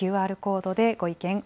ＱＲコードでご意見